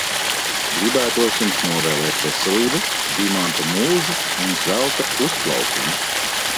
Gribētos jums novēlēt veselību, dimanta mūžu un zelta uzplaukumu.